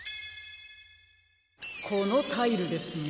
このタイルですね。